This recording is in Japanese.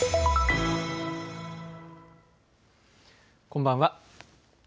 こんばんは。